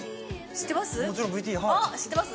知ってます？